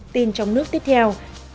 tin trong nước tiếp theo